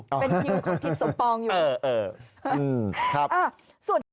เป็นคิวของทิศสมปองอยู่